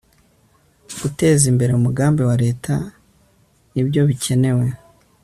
gutezimbere umugambi wa leta ni byo bikenewe